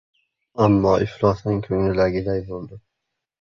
Ammo iflosning ko‘nglidagiday bo‘ldi.